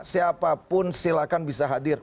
siapapun silakan bisa hadir